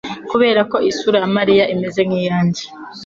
kubera ko isura ya Malia imeze nk'iyanjye.